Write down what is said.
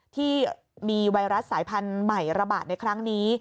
ที่มีไวรัสสายพันธุ์ใหม่ระบาดในครั้งนี้